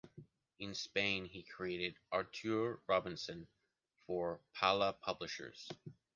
In Spain, he creates “Artur Robinson” for Pala Publishers.